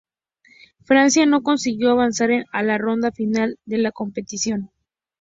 Francia no consiguió avanzar a la ronda final de la competición.